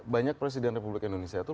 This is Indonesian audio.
banyak presiden republik indonesia itu